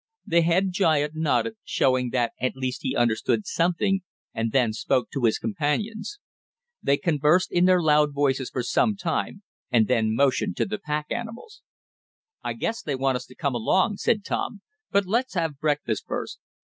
The head giant nodded, showing that at least he understood something, and then spoke to his companions. They conversed in their loud voices for some time, and then motioned to the pack animals. "I guess they want us to come along," said Tom, "but let's have breakfast first.